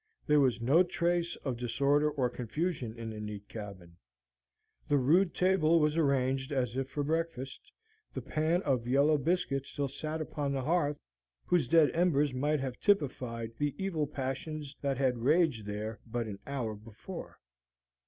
There was no trace of disorder or confusion in the neat cabin. The rude table was arranged as if for breakfast; the pan of yellow biscuit still sat upon that hearth whose dead embers might have typified the evil passions that had raged there but an hour before.